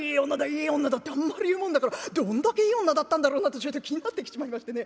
いい女だってあんまり言うもんだからどんだけいい女だったんだろうなってちょいと気になってきちまいましてね。